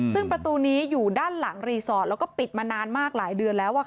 ซึ่งประตูนี้อยู่ด้านหลังรีสอร์ทแล้วก็ปิดมานานมากหลายเดือนแล้ว